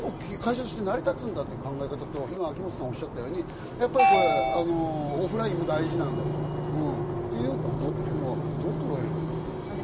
それでも会社として成り立つという考え方と、秋元さんがおっしゃったようにオフラインも大事だと、それはどう捉えればいいですか？